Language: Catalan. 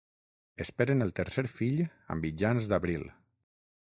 Esperen el tercer fill a mitjans d'abril